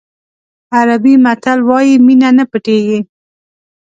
عربي متل وایي مینه نه پټېږي.